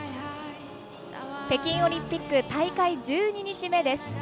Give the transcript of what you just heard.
北京オリンピック大会１２日目です。